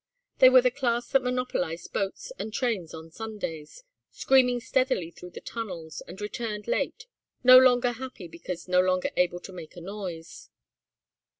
They were the class that monopolized boats and trains on Sundays, screaming steadily through the tunnels, and returned late, no longer happy because no longer able to make a noise.